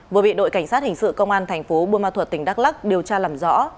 vừa bị đội cảnh sát hình sự công an thành phố buôn ma thuật tỉnh đắk lắc điều tra làm rõ